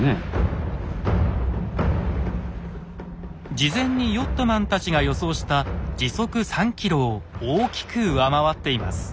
事前にヨットマンたちが予想した時速３ｋｍを大きく上回っています。